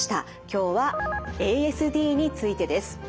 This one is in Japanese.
今日はＡＳＤについてです。